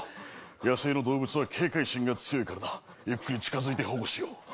野生の動物は警戒心が強いからな、ゆっくり近づいて保護しよう。